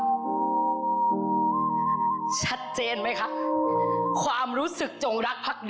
ของท่านได้เสด็จเข้ามาอยู่ในความทรงจำของคน๖๗๐ล้านคนค่ะทุกท่าน